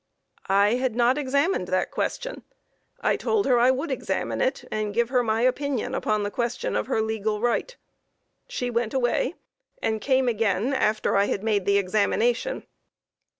I had not examined the question. I told her I would examine it and give her my opinion upon the question of her legal right. She went away and came again after I had made the examination.